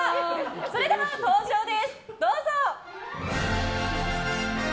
それでは登場です、どうぞ。